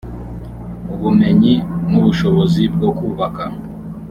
ubumenyi n ubushobozi bwo kubaka